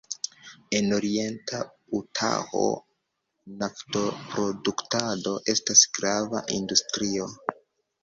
En orienta Utaho-naftoproduktado estas grava industrio.